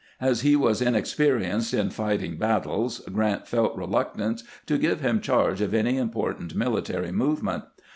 As he was inexperienced in fighting battles. Grant felt reluctant to give him charge of any important mili tary movement.